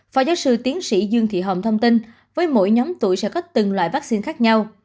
phó giáo sư tiến sĩ dương thị hồng thông tin với mỗi nhóm tuổi sẽ có từng loại vaccine khác nhau